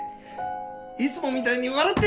いつもみたいに笑って！